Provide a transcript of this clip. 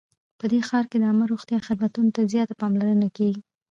په دې ښار کې د عامه روغتیا خدمتونو ته زیاته پاملرنه کیږي